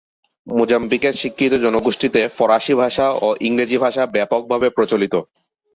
মোজাম্বিকের শিক্ষিত জনগোষ্ঠীতে ফরাসি ভাষা ও ইংরেজি ভাষা ব্যাপকভাবে প্রচলিত।